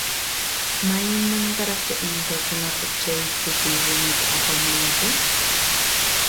Maymantaraqcha inkakunaqa chaytukuy rumita apamuranku?